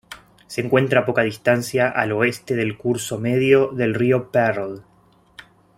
Se encuentra a poca distancia al oeste del curso medio del río Pearl.